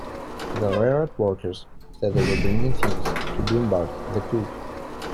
The railroad workers said they were bringing things "to Dunbar" the cook.